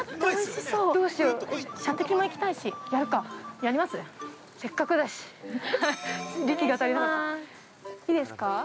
いいですか。